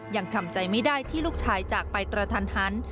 ยังทำใจไม่ได้ที่ลูกชายจากไปกระทันหัน